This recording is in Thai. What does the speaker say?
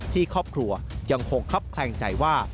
ที่ครอบครัวยังคงคับแคลงใจว่า